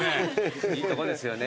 いいとこですよね。